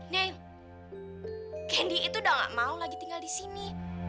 nih kendi itu udah gak mau lagi tinggal di sini